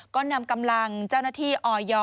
ก็นำกำลังเจ้าหน้าที่ออย